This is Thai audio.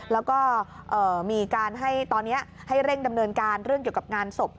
แล้วก็มีการให้ตอนนี้ให้เร่งดำเนินการเรื่องเกี่ยวกับงานศพ